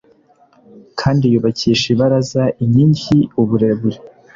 kandi yubakisha ibaraza inkingi uburebure